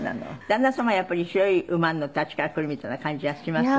「旦那様はやっぱり白い馬に乗ってあっちから来るみたいな感じがします？」